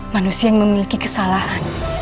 manusia yang memiliki kesalahan